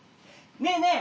ねえねえ！